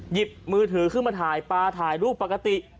หยิบมือถือขึ้นมาถ่ายปลาถ่ายรูปปกติ